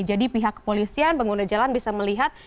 jadi pihak kepolisian pengguna jalan bisa melihat